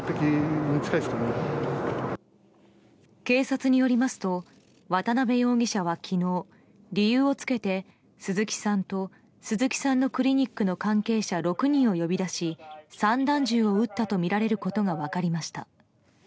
警察によりますと渡辺容疑者は昨日、理由をつけて鈴木さんと鈴木さんのクリニックの関係者６人を呼び出し散弾銃を撃ったとみられることが分かりました。